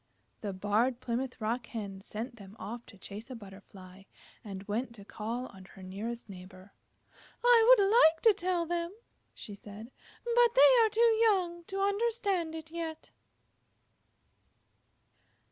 The Barred Plymouth Rock Hen sent them off to chase a Butterfly, and went to call on her nearest neighbor. "I would like to tell them," she said, "but they are too young to understand it yet."